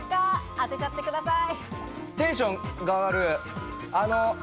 当てちゃってください。